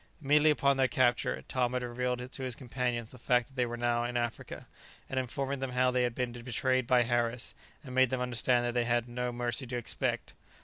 Immediately upon their capture, Tom had revealed to his companions the fact that they were in Africa, and informing them how they had been betrayed by Harris, made them understand that they had no mercy to expect.